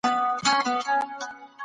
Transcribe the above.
ولي ځيني هیوادونه محکمه نه مني؟